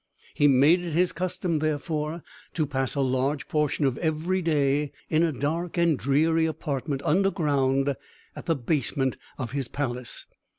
He made it his custom, therefore, to pass a large portion of every day in a dark and dreary apartment, under ground, at the basement of his palace.